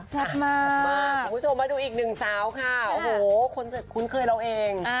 มากคุณผู้ชมมาดูอีกหนึ่งสาวค่ะโอ้โหคนคุ้นเคยเราเอง